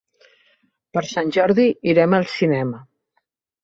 Per Sant Jordi irem al cinema.